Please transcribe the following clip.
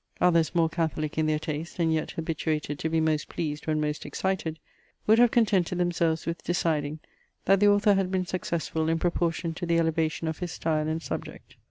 Others more catholic in their taste, and yet habituated to be most pleased when most excited, would have contented themselves with deciding, that the author had been successful in proportion to the elevation of his style and subject.